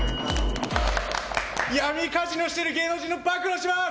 闇カジノしてる芸能人の暴露します！